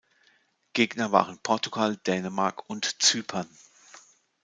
Gegner waren Portugal, Dänemark und Zypern.